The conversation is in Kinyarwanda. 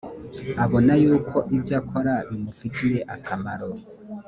abona yuko ibyo akora bimufitiye akamaro